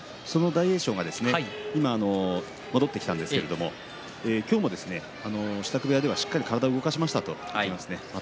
大栄翔が今戻ってきたんですけれども今日も支度部屋ではしっかりと体を動かしましたと言っていました。